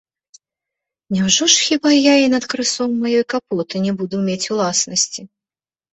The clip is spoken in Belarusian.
Няўжо ж хіба я і над крысом маёй капоты не буду мець уласнасці?